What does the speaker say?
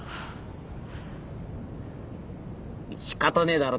仕方ねえだろ。